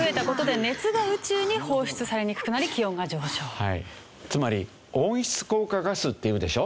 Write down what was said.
はいつまり温室効果ガスっていうでしょ？